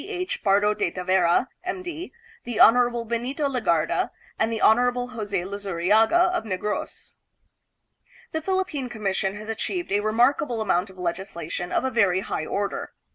H. Pardo de Tavera, M. D., the Hon. Benito Legarda, and the Hon. Jose Luzu riaga of Negros. The Philippine Commission has achieved a remarkable amount of legislation of a very high order.